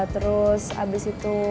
terus abis itu